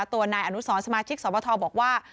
ตัวนายอนุสรสมาชิกสวบทบอกว่า